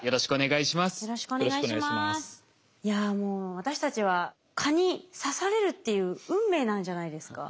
いやもう私たちは蚊に刺されるっていう運命なんじゃないですか？